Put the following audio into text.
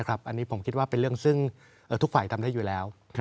อันนี้ผมคิดว่าเป็นเรื่องซึ่งทุกฝ่ายทำได้อยู่แล้ว